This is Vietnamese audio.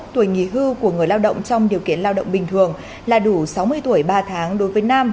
tuổi nghỉ hưu của người lao động trong điều kiện lao động bình thường là đủ sáu mươi tuổi ba tháng đối với nam